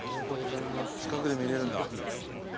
近くで見れるんだ。